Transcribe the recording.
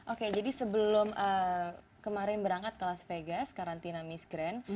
oke jadi sebelum kemarin berangkat ke las vegas karantina miss grand